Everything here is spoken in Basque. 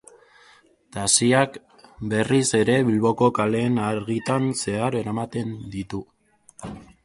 Taxiak berriz ere Bilboko kaleen argitan zehar eraman ditu.